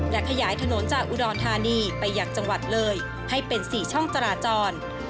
และขยายถนนจากอุดรธานีไปยังจังหวัดเลยให้เป็น๔ช่องจราจร